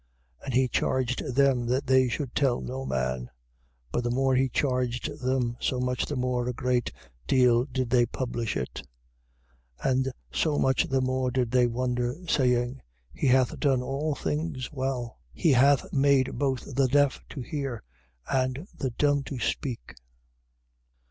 7:36. And he charged them that they should tell no man. But the more he charged them, so much the more a great deal did they publish it. 7:37. And so much the more did they wonder, saying: He hath done all things well. He hath made both the deaf to hear and the dumb to speak.